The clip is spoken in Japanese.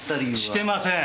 してません！